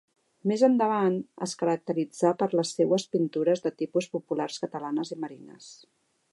Més endavant, es caracteritzà per les seues pintures de tipus populars catalans i marines.